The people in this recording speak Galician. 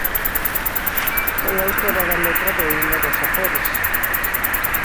Foi autora da letra do Himno dos Azores.